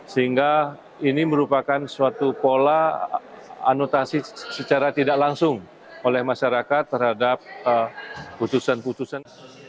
sehingga ini merupakan suatu pola anotasi secara tidak langsung oleh masyarakat terhadap putusan putusan